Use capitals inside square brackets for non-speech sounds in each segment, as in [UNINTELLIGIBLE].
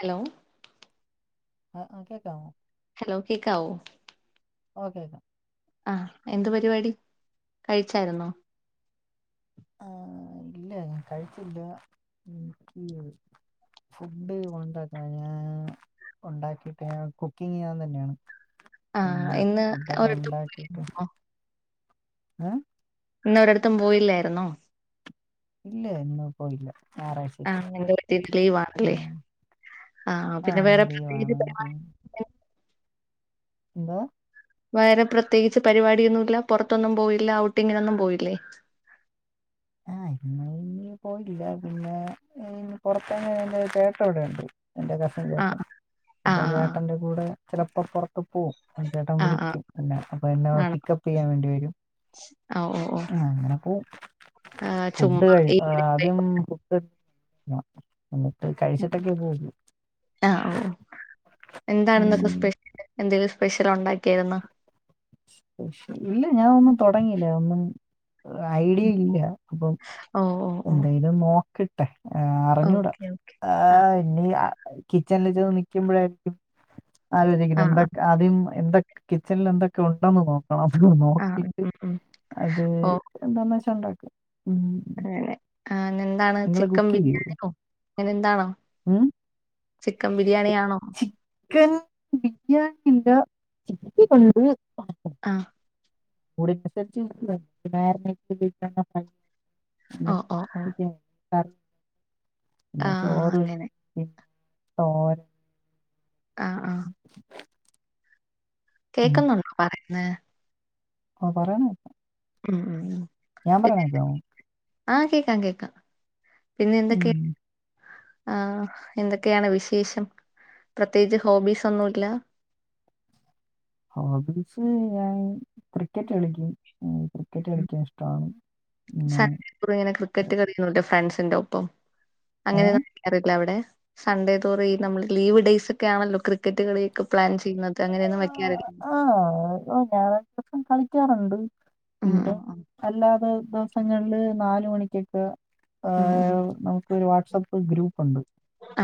Hello ആ ആ കേക്കാവോ? ഹലോ കേക്കാവോ ഓ കേക്കാം ആഹ് എന്ത് പരിപാടി കഴിച്ചായിരുന്നോ? ആഹ് ഇല്ല ഞാൻ കഴിച്ചില്ല ഫുഡ് [UNINTELLIGIBLE] ഉണ്ടാക്കിട്ട് [UNINTELLIGIBLE] കുക്കിങ് ഞാൻ തന്നെയാണ്. ആഹ് പിന്നീ ഇന്ന് ഒരിടത്തും ഫുഡൊക്കെണ്ടാക്കീട്ട് പോന്നോ ഏ ഇന്നൊരെട്ത്തും പോയില്ലായിരുന്നോ? ഇല്ല ഇന്ന് പോയില്ല ഞായറാഴ്ച ആഹ് ഇന്നെന്തുപറ്റി ഇന്ന് ലീവാണ്ലേ ആഹ് ആ, പിന്നെ ഇന്ന് വേറെ ലീവാണ് പ്രത്യേകിച്ച് എന്തോ? വേറെ പ്രത്യേകിച്ച് പരിപാടിയൊന്നുല്ല പൊറത്തൊന്നും പോയില്ല ഔട്ടിങ്ങിനൊന്നും പോയില്ലേ? ആഹ് ഇന്ന് ഇന്ന് പോയില്ല പിന്നെ പൊറത്തെ [UNINTELLIGIBLE] ചേട്ടൻ ഇവിടെ ഉണ്ട് എന്റെ- അപ്പൊ ചേട്ടൻ ആഹ് ആഹ് ചേട്ടന്റെ കൂടെ ചെലപ്പൊ പൊറ പ്പ പോവും അജി ചേട്ടൻ ആഹ് ആഹ് വിളിക്കും. എന്നെ അപ്പൊ എന്നെ പിക്കപ്പ് ചെയ്യാൻ വേണ്ടി വരും. ആഹ് ഓഹ് ഓഹ് ആ അങ്ങനെപ്പോ ആഹ് ഫുഡ് ചുമ്മാ കഴ് ആദ്യം ഫുഡ്- എന്നിട്ട് കഴിച്ചിട്ടൊക്കെ പോകൂ ആഹ് ഓഹ് എന്താണ് ഇന്നത്തെ സ്പെഷ്യല് എന്തെലും സ്പെഷ്യൽ ഒണ്ടാക്കിയായിരുന്നൊ ഇല്ല ഞാനൊന്നും തൊടങ്ങില്ല ഒന്നും ഐഡിയ ഇല്ല അപ്പം ഓഹ് ഓഹ് ഓഹ് എന്തെങ്കിലും നോക്കട്ടെ അറിഞ്ഞൂടാ ഓക്കെ ഓക്കെ ആഹ് ഇനി കിച്ചണില് ചെന്ന് നി ക്കുമ്പോഴായിരിക്കും ആലോചിക്കുന്നത് ആഹ് ആഹ് എന്തൊക്കെ- ആദ്യം എന്തൊ കിച്ചണില് എന്തൊക്കെ ഒണ്ടെന്ന് നോക്കും ആഹ് ഉം നോക്കിട്ട് ഉം ഉം. അത് ഓ എന്താന്ന് വെച്ചാ ഒണ്ടാക്കും ഉം ആ എന്താണ് ചിക്കൻ ചെയ്യൂ ബിരിയാണിയോ അങ്ങനെ എന്താണോ ചിക്കൻ ബിരിയാണിയാണോ ചിക്കൻ ബിരിയാണിയുണ്ട് ചി [UNINTELLIGIBLE] കൊണ്ട് ആഹ് കൂടനുസരിച്ച് ഓ ഓ ഓ [UNINTELLIGIBLE] ആ [UNINTELLIGIBLE] ആ പിന്നെ ആ ചോറ് അങ്ങനെ തോരൻ ആഹ് ആഹ് [INAUDIBLE] കേക്കുന്നുണ്ടോ പറയിന്നെ ആ പറയാണ കേക്കാം ഉം ഉം ഉം ഞാൻ പറയുന്നത് കേക്കാമോ ആഹ് കേക്കാം കേക്കാം പിന്നെ എന്തൊക്കെ- ഉം. ആഹ് എന്തൊക്കെയാണ് വിശേഷം പ്രത്യേകിച്ച് ഹോബീസ് ഒന്നുമില്ല ഹോബീസ് ഞാൻ ക്രിക്കറ്റ് കളിക്കും ക്രിക്കറ്റ് കളിക്കാൻ ഇഷ്ടമാണ് പിന്നെ - ഇവിടെ അങ്ങനെ ക്രിക്കറ്റ് കളിയുന്നുെ ഫ്രണ്ട്സിന്റെ ഒപ്പം ഏ? അങ്ങനെയൊന്നും നിനക്ക് അറിയത്തില്ല അവിടെ സൺഡേ തോറും ഈ നമ്മള് ലീവ് ഡെയയ്സ് ഒക്കെ ആണല്ലോ ക്രിക്കറ്റ്കളിയൊക്കെ പ്ലാൻ ചെയ്യുന്നത് അങ്ങനെയൊന്നും വെക്കാറില്ല ആഹ് ഞായറാഴ്ച്ച ദെവസം കളിക്കാറുണ്ട് ഉം ഉം പിന്നെ- ഉം അല്ലാതെ ദെവസങ്ങളില് നാല് മണിക്കൊക്കെ ഉം ഉം ഏഹ നമക്ക്- ഒരു വാട്സആപ്പ് ഗ്രൂപ്പ് ഉണ്ട്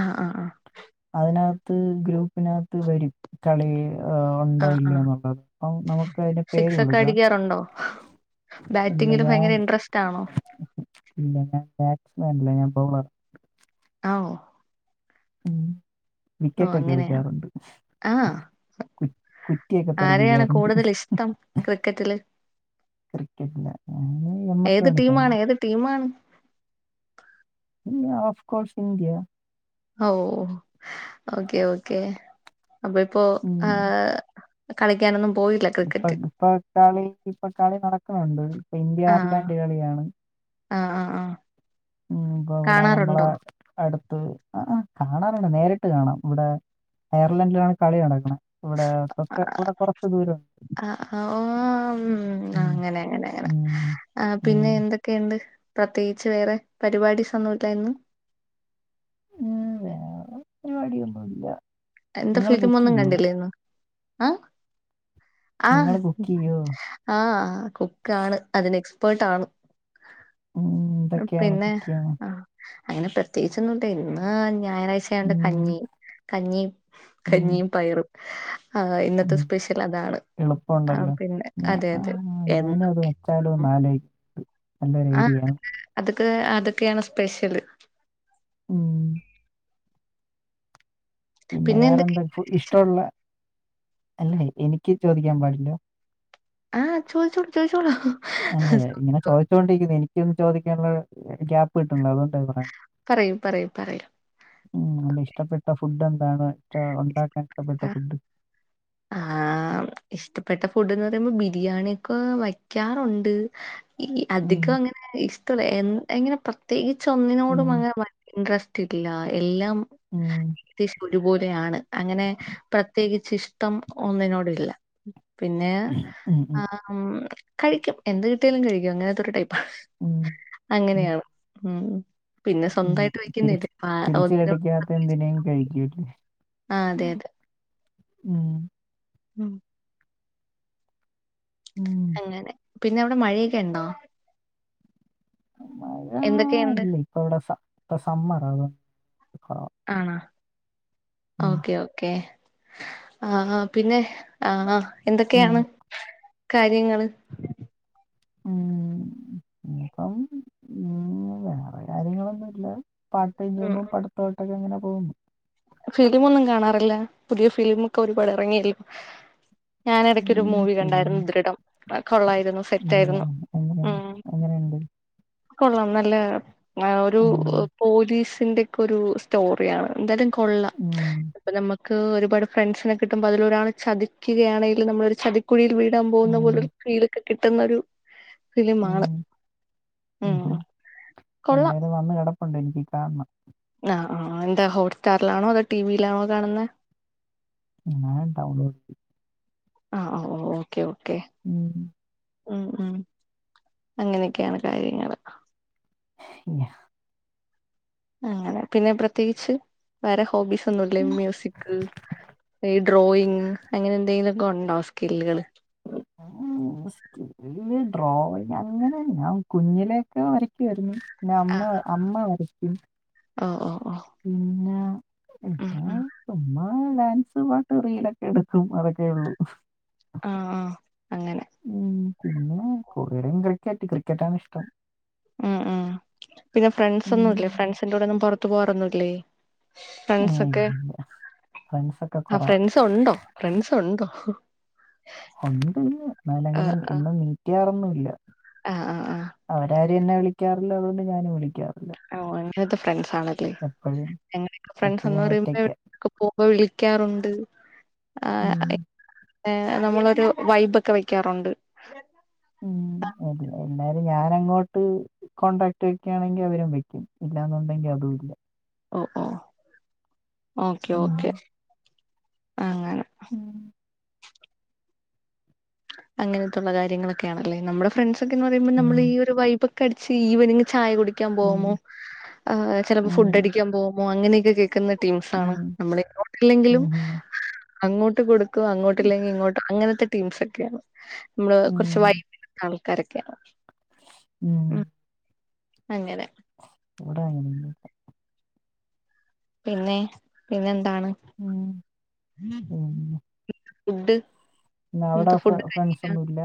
ആഹ് ആഹ് ആഹ് അതിനകത്ത് ഗ്രൂപ്പിനകത്ത് വരും കളിയ് ആ ഒണ്ടോ ആ ഇല്ലിയോ എന്നുള്ളത് അപ്പം നമുക്ക് അതിന് പേര് സിക്സ് ഒക്കെ കൊടുക്കാം അടിക്കാറുണ്ടോ ഇല്ല ബാറ്റിങ്ങില് ഞാൻ ഭയങ്കര ഇൻട്രസ്റ്റ് ആണോ ഇല്ല ഞാൻ ബാറ്റ്മാൻയല്ല ഞാൻ ബൗളർ ആഹ് ഓഹ് ഉം ഓ വിക്കറ്റ് ഒക്കെ അങ്ങനെയാ എടുക്കാറുണ്ട് ആഹ് കു കുറ്റിയൊക്കെ ആരെയാണ് തെറപ്പിക്കാറുണ്ട് കൂടുതൽ ഇഷ്ടം ക്രിക്കറ്റില് ക്രിക്കറ്റില് എം എസ് ധോണി മണ ഫാനാണ് [UNINTELLIGIBLE] ഏത് ടീമാണ് ആ ഓഫ് കോസ് ഇന്ത്യ ഓഹ് ഓക്കെ ഓക്കേ അപ്പൊ ഇപ്പോ ഉം. ആഹ- കളിക്കാനൊന്നും പോയില്ല ഇപ്പൊ ക്രിക്കറ്റ് ഇപ്പൊ കളി ഇപ്പൊ കളി നടക്കുന്നുണ്ട് ഇപ്പൊ ഇന്ത്യ ആഹ് അയർലാൻഡ് കിയാണ് ആഹ് ആഹ് ആഹ് ഉ ഇപ്പൊ ഇവിടെ നമ്മളെ കാണാറുണ്ടോ അടുത്ത് ആഹ് കാണാറുണ്ട് നേരിട്ട് കാണാം ഇവിടെ അയർലൻഡിലാണ് കളി നടക്ക്ണ ഇവിടെ [UNINTELLIGIBLE] കുറ കുറച്ച് ദൂരം ആഹ് ആഹ് ഓം ഉം, അങ്ങനെ അങ്ങനെ അങ്ങനെ ഉം, ആഹ് ഉം. പിന്നെ എന്തൊക്കെയുണ്ട് പ്രത്യേകിച്ച് വേറെ പരിപാടിസ്ന്നുംല്ലാന്ന് ഉം വേറെ പേരുവാടി യൊന്നും ഇല്ല എന്താ ഫിലിമൊന്നും കണ്ടിലെന്നോ ആഹ് നിങ്ങൾ ആഹ് കുക്ക് ചെയ്യോ ആഹ് കുക്ക് ആണ് അതിന് എസ്പേട്ട് ആണ് ഉം, ഇതൊക്കെയാണ് പിന്നെ കുക്ക് ചെയ്യണം ആഹ് അങ്ങനെ പ്രത്യേകിച്ചൊന്നും ഇന്ന് ഞായറാഴ്ച്ച ആയൊണ്ട് ഉം, കഞ്ഞി കഞ്ഞി ഉം, കഞ്ഞിയും പയറും ആഹ് ഇന്നത്തെ ഉം. സ്പെഷ്യൽ അതാണ് ആഹ് എളുപ്പമുണ്ടല്ലോ പിന്നെ അതെ അതെ എ [UNINTELLIGIBLE] ന്നാൽ നല്ലൊരു ആഹ് ഐഡിയാ അതൊക്കെ അതൊക്കെയാണ് സ്പെഷ്യല് ഉം പിന്നെ വേറെന്താ ഇപ്പോ ഇഷ്ടവുള്ള അല്ലേ എനിക്ക് ചോദിക്കാൻ പാടില്ലാ ആഹ് ചോയിച്ചോളു ചോയിച്ചോളു അല്ലെ ഇങ്ങനെ ചോദിച്ചോണ്ടിരിക്കുന്നു എനിക്കൊന്ന് ചോദിക്കാനുള്ള ക്യാപ്പ് കിട്ടണില്ല അതുകൊണ്ട പറയ് പറയൂ പറയൂ പറയാം ഉം അന്റെ ഇഷ്ടപ്പെട്ട ഫുഡ് എന്താണ് ഇഷ ഉണ്ടാക്കാൻ ഇഷ്ടപ്പെട്ട ഫുഡ് ആഹ് ഇഷ്ടപ്പെട്ട ഫുഡ്ന്ന് പറയുമ്പോ ബിരിയാണി ഒക്കെ വയ്ക്കാറുണ്ട് ഈ ഉം, അധികം അങ്ങനെ ഇഷ്ടവുള്ള എ എങ്ങനെ പ്രത്യേകിച്ച് ഒന്നിനോടും ഉം, അങ്ങനെ ഇൻട്രസ്റ്റ് ഇല്ല എല്ലാം ഉം, അത്യാശ്യം ഒരുപോലെയാണ് അങ്ങനെ പ്രത്യേകിച്ച് ഇഷ്ടം ഒന്നിനോടു ഇല്ല പിന്നെ ആഹ് ഉം കഴിക്കും എന്ത് കിട്ടിയാലും കഴിക്കും അങ്ങനത്തെ ഒരു ടൈപ്പ് ഉം, ഉം, അങ്ങനെയാണ് ഉം പിന്നെ സ്വന്തായിട്ട് വെക്കുന്നല്ലേ ആഹ് [UNINTELLIGIBLE] ഇത് ന്തിനേയും കഴിക്കു [UNINTELLIGIBLE] ആഹ് അതെ അതെ ഉം ഉം ഉം, അങ്ങനെ പിന്നെ അവിടെ മഴയൊക്കെ ഇണ്ടോ മഴ എന്തൊക്കെ ഇണ്ട് ഇല്ല ഇപ്പ ഇവിടെ സ ഇപ്പ സമ്മറ [UNINTELLIGIBLE] ആണ ഓക്കെ ഓക്കെ ആഹ് പിന്നെ ആഹ് ഉം, എന്തൊക്കെയാണ് കാര്യങ്ങള് ഉം ഇപ്പം ഉം വേറെ കാര്യങ്ങളൊന്നു ഇല്ല പാർടൈമ് ഉം ചെയ്യുമ്പോ പട്തം ക്കെ ഇങ്ങനെ പോകുന്നു ഫിലിമൊന്നും കാണാറില്ല പുതിയ ഫിലിമ് ഒക്കെ ഒരുപാട് എറങ്ങിയലോ ഞാൻ എടയ്ക്കൊ ഒരു മൂവി കണ്ടാരുന്നു ഫീലിംഗ് ദൃഢം അത് കൊള്ളായിരുന്നു സെറ്റ് ആയിരുന്നു എങ്ങനെ എങ്ങനെണ്ട് കൊള്ളാം നല്ല ആഹ് ഒരു ഉം, പോലീസിന്റെ ഒക്ക ഒരു സ്റ്റോറിയാണ് എന്തായ്ലും കൊള്ളാം ഉം, അപ്പ നമ്മക്ക് ഒരുപാട് ഫ്രണ്ട്സിനെ കിട്ടുമ്പോ അതിൽ ഒരാള് ചതിക്കുകയാണെൽ നമ്മൾ ഒരു ചതിക്കുഴിയിൽ വീ ഇടാൻ പോകുന്ന ഉം. പോലൊരു ഫീലൊക്കെ കിട്ടുന്ന ഒരു ഉം ഫിലിമാണ് ഉം ഉം കൊള്ളാം എന്റെല് വന്ന് കെടപ്പുണ്ട് എനിക്ക് കാണം ആഹ് ആഹ് എന്താ ഹോട്ട് സ്റ്റാറിലാണോ അതോ ടീവിലാണോ കാണുന്നെ ണാ ഡൗൺലോ ആഹ് ഓ ഓക്കെ ഓക്കെ ഉം ഉം ഉം അങ്ങനെയൊക്കെയാണ് കാര്യങ്ങള് ഞാ അങ്ങനെ പിന്നെ പ്രത്യേകിച്ച് വേറെ ഹോബീസ് ഒന്നുല്ലെ മ്യൂസിക് ഈ ഡ്രോയിങ് അങ്ങനെ എന്തെലു ഒക്കെ ഒണ്ടോ സ്കില്ലുകള് ഉം സ്കില്ല് ഡ്രോയിങ് അങ്ങനെ ഞാൻ കുഞ്ഞിലേക്കെ വരക്കുവാരുന്നു പിന്നെ അന്ന് അമ്മ വരയ്ക്കും ഒഹ് ഒഹ് ഒഹ് പിന്ന പിന്നെ ഉമ്മ ആഹ് ഡാൻസ് പാട്ട് റീലൊക്കെ എടുക്കും അതൊക്കെ ഒള്ളു ആഹ് ആഹ് അങ്ങനെ ഉം പിന്നെ കൂടുതലും ക്രിക്കറ്റ് ക്രിക്കറ്റാണ് ഇഷ്ടം ഉം ഉം പിന്നെ ഫ്രണ്ട്സ് ഉം. ഒന്നുല്ലേ ഫ്രണ്ട്സിൻ്റെ കൂടെ ഒന്നും പൊറത്തു പോകാറൊന്നുല്ലേ ഏയ്ഇല്ല ഫ്രണ്ട്സൊക്കെ കൊറവാ തൊണ്ടെ ഫ്രണ്ട്സൊണ്ടോ ഒണ്ട് എന്നാലും അങ്ങനെ ആഹ് ആഹ് എന്നും മീറ്റെയ്യാറൊന്നുംല്ല ആഹ് ആഹ് അവരാരും എന്നെ വിളിയ്ക്കാറില്ല അതോണ്ട് ഞാനും വിളിയ്ക്കാറില്ല ഓഹ് അങ്ങനത്തെ ഫ്രണ്ട്സാണല്ലേ ഞങ്ങളെയൊക്കെ ഫ്രണ്ട്സ്ന്ന് എപ്പഴും പറയുമ്പോ ഒറ്റയ്ക്കാ ഒക്കെ പോവുമ്പ വിളിക്ക്യാറുണ്ട് ഉം ഏഹ് നമ്മളൊരു വൈബൊക്കെ വെയ്ക്കാറുണ്ട് ഉം എന്നാ എന്നാല് ഞാനങ്ങോട്ട് കോൺടാക്ട് വെക്കുകയാണെങ്കി അവരും വെക്കും ഇല്ലന്നുണ്ടെങ്കി അതുല്ല ഓഹ് ഓഹ് ഓക്കെ ഉം. ഓക്കെ അങ്ങനെ ഉം. അങ്ങൻത്തെയുള്ള കാര്യങ്ങളൊക്കെയാണ് അല്ലേ നമ്മുടെ ഫ്രണ്ട്സ് ഒക്കെന്ന് പറയുമ്പോ നമ്മൾ ഉം. ഈ ഒരു വൈബ് ക്കടിച്ച് ഈവനിങ്ങ് ചായ കുടിക്യാൻ പോവുമോ ഉം. ചെലപ്പെ ഫുഡ് ഉം. അടിക്യാൻ പോവുമോ അങ്ങനൊക്കെ കേ ക്കുന്ന ടീംസാണ് ഉം. നമ്മള്പ്പോ [UNINTELLIGIBLE] ല്ലെങ്കിലും ഉം. അങ്ങോട്ട് കൊടു ക്കും അങ്ങോട്ടില്ലെങ്കി ഇങ്ങോട്ട് അങ്ങനത്തെ ടീംസ് ഒക്കെയാണ് നമ്മള് കെറച്ച് ഉം. വൈബുള്ള ആൾക്കാരൊക്കെയാണ് ഉം അങ്ങനെ കൂടായിനിപ്പം പിന്നെ പിന്നെന്താണ് ഉം. പിന്നെ ഫുഡ് പിന്നെ അവിടെ ഫ്രണ്ട്സ് ഒന്നും ഇല്ല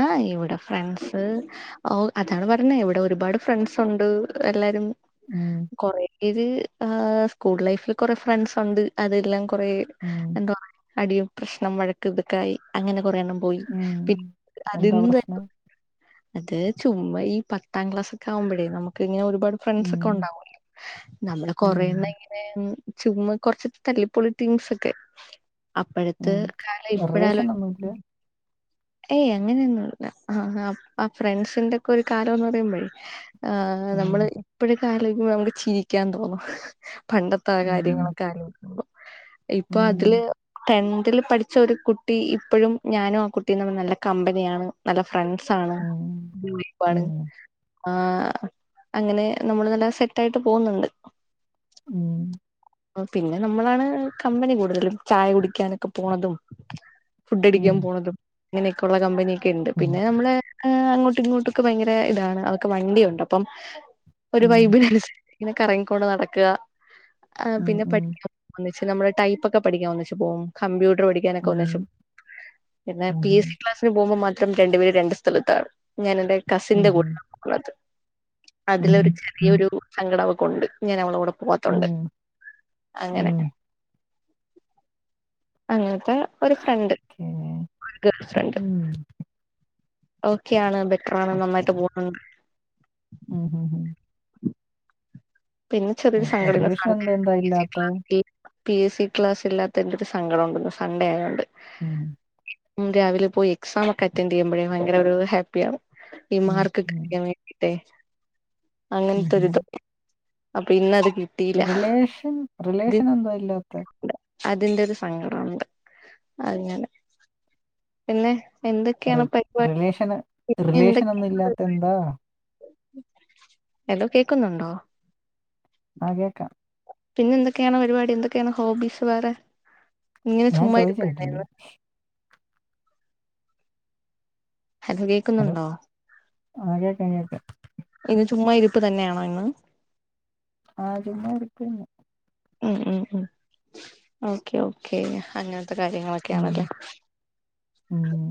ആഹ് ഇവിടെ ഫ്രണ്ട്സ് ഓഹ് അതാണ് പറഞ്ഞത് ഇവിടെ ഒരുപാട് ഫ്രണ്ട്സ് ഉണ്ട് എല്ലാരും ഉം. കൊറേ പേര് ആഹ് സ്കൂൾ ലൈഫില് കൊറെ ഫ്രണ്ട്സുണ്ട് അതെല്ലാം കൊറേ ഉം. എന്താ അടിയും പ്രശ്നം വഴക്ക് ഇതൊക്കൊയി അങ്ങനെ കൊറേണ്ണം പോയി ഉം. പിൻ എന്താ അതിന്ന് ത പ്രശ്നം അത് ചുമ്മ ഈ പത്താം ക്ലാസൊക്കെ ആവുമ്പോഴേ നമുക്ക് ഇങ്ങനെ ഒരു ഒരു പാട് ഫ്രണ്ട്സ് ഉം. ഒക്കെ ഉണ്ടാവൊല്ലൊ നമ്മള് ഉം. കൊറേയെണ്ണം ഇങ്ങനെ ചുമ്മ കൊറച്ച് തല്ലിപ്പൊളി ടീംസ് ഒക്കെ അപ്പോഴത്തെ ഉം. റിലേഷൻ ഒന്നുല്ല ഏയ് അങ്ങനെയൊന്നുല്ല അഹ് ആഹ് ഫ്രണ്ട്സിന്റെ ഒക്കെ ഒരു കാലംന്ന് പറയുമ്പഴേ ആഹ് ഉം. നമ്മള് ഇപ്പഴൊക്കൊ ആലോയ്ക്കുമ്പ നമുക്ക് ചിരിക്യാൻ തോന്നും പണ്ടത്തെ ഉം. കാര്യങ്ങളൊക്കെ ആലോയ്ക്കുമ്പോ ഇപ്പൊ ഉം. അതില് ടെൻതില് പഠിച്ച ഒരു കുട്ടി ഇപ്പഴും ഞാനും ആ കുട്ടിം തമ്മില് നല്ല കമ്പനിയാണ് നല്ല ഫ്രണ്ട്സാണ് ഉം. ഗ്രൂപ്പാണ് ഉം. ആഹ് അങ്ങനെ നമ്മൾ നല്ല സെറ്റായിട്ട് പോവുന്നുണ്ട് ഉം പിന്നെ നമ്മളാണ് കമ്പനി കൂടുതലും ചായ കുടിക്യാനൊക്കെ പോണതും ഫുഡ് അടിക്യാൻ പോണതും ഇങ്ങനെയൊക്കെ ഉള്ള കമ്പനിയൊക്കെണ്ട് പിന്നെ നമ്മള് ആഹ് അങ്ങോട്ടും ഇങ്ങോട്ടൊക്കെ ഭയങ്കര ഇതാണ് അവക്ക് വണ്ടിയുണ്ട് അപ്പം ഒരു വൈബിനനുസ ഇങ്ങനെ കറങ്ങിക്കൊണ്ട് നടക്ക ആഹ് പിന്നെ പഠി- ഒന്നിച്ച് നമ്മള് ടൈപ്പൊക്കെ പഠിക്കാൻ ഒന്നിച്ച് പോവും കമ്പ്യൂട്ടർ പഠിക്കാനൊക്കെ ഒന്നിച്ച് പിന്നെ പി എസ് സി ക്ലാസ്സിന് പോവുമ്പം മാത്രം രണ്ടു പേര് രണ്ട് സ്ഥലത്താണ് ഞാൻ എന്റെ കസിന്റെ കൂടെ ഒള്ളത് അതിലൊരു ചെറിയരു സങ്കടം അവക്കൊണ്ട്. ഞാൻ അവൾടെ കൂടെ പോകാത്തോണ്ട് അങ്ങനെ- അങ്ങനത്തെ ഒരു ഫ്രണ്ട്. ഉം. ഒരുഗുഡ് ഫ്രണ്ട്. ഉം. ഓക്കെ ആണ് ബെറ്ററാണ് ഓക്കേ. നന്നായിട്ട് പോണ്. ഉം ഉം.. പിന്നെ ചെറിയ ഉം. സങ്കടോണ്ട് റിലേഷൻ സൺ‌ഡേ ആയോണ്ട് എന്തെന്താ പി എസ് സി ഇല്ലാത്തെ? ക്ലാസി - പി എസ് സി ക്ലാസ് ഇല്ലാത്തേന്റെ ഒരു സങ്കടം ഉണ്ടെന്ന് സൺഡേ ആയൊണ്ട്. ഉം. രാവിലെ പോയി എക്സാം ഒക്കെ അറ്റൻഡ് ചെയ്യുമ്പോഴേ ഭയങ്കര ഒരു ഹാപ്പിയ ആണ് ഈ ഉം, മാർക്കൊക്കെ ഉം, [UNINTELLIGIBLE] വേണ്ടിട്ടെ ഉം, അങ്ങനത്തെ ഉം. ഒരിത് അപ്പൊ ഇന്നത്കി റിലേഷൻ റിലേഷൻ എന്തുവഇല്ലാത്തേ- അതിന്റെ ഒരു സങ്കടോണ്ട് അങ്ങനെ പിന്നെ റി എന്തൊക്കെയാണ് പരിപാടി റിലേഷന് പിന്നേ റിലേഷൻ ഒന്നും എന്തൊക്കെയുണ്ട് ഇല്ലാത്ത എന്താ? [UNINTELLIGIBLE] പരിപാടി ഹലോ കേക്കുന്നുണ്ടോ? ആഹ് കേക്കാം. പിന്നെ എന്തൊക്കെയാണ് പരിപാടി എന്തൊക്കെയാണ് ഹോബീസ് വേറെ- ഇങ്ങനെ ഞാൻ ചുമ്മാ ചോയിച്ച ഇരിപ്പല്ലേ കേട്ടില്ലേ? ഹലോകേക്ക് ഹലോ ആഹ് കേക്ക കേക്കാം. ഇന്ന് ചുമ്മാ ഇരിപ്പ് തന്നെയാണോ ഇന്ന്. ആഹ് ചുമ്മരിക്കന്നേ - ഉം ഉം ഉം ഓക്കെ ഓക്കെ അങ്ങനത്തെ ഉം, കാര്യങ്ങളൊക്കെയാണല്ലേ- ഉം.